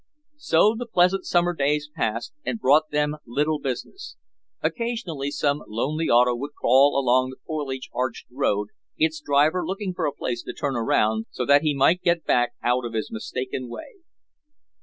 So the pleasant summer days passed and brought them little business. Occasionally some lonely auto would crawl along the foliage arched road, its driver looking for a place to turn around so that he might get back out of his mistaken way.